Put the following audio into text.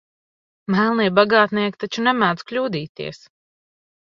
Melnie bagātnieki taču nemēdz kļūdīties.